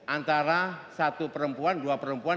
antara satu perempuan dua perempuan